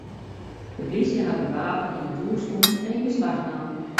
De plysje hat it wapen yn it hús fûn en yn beslach naam.